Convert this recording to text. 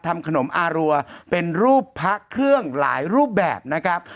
ทำขนมอารัวเป็นรูปพระเครื่องหลายรูปแบบนะครับ